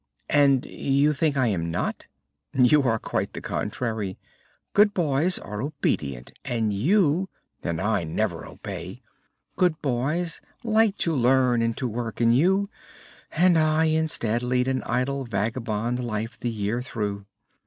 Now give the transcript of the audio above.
"And you think I am not?" "You are quite the contrary. Good boys are obedient, and you " "And I never obey." "Good boys like to learn and to work, and you " "And I instead lead an idle, vagabond life the year through."